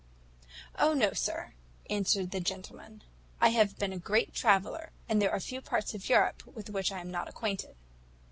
"O no, sir," answered the gentleman; "I have been a great traveller, and there are few parts of Europe with which I am not acquainted."